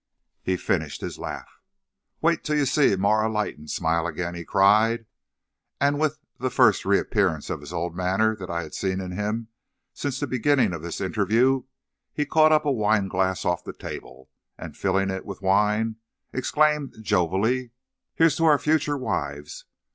"He finished his laugh. "'Wait till you see Marah Leighton smile again,' he cried; and with the first reappearance of his old manner that I had seen in him since the beginning of this interview, he caught up a wine glass off the table, and filling it with wine, exclaimed jovially: 'Here's to our future wives!